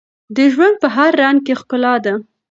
د ژوند په هر رنګ کې ښکلا ده.